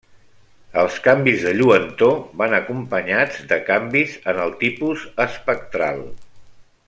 Els canvis de lluentor van acompanyats de canvis en el tipus espectral.